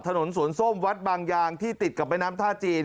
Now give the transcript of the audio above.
ถนนสวนส้มวัดบางยางที่ติดกับแม่น้ำท่าจีน